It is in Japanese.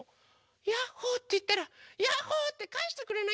「ヤッホ」っていったら「ヤッホー！」ってかえしてくれなきゃ！